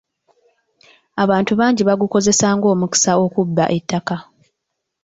Abantu bangi baagukozesa ng'omukisa okubba ettaka.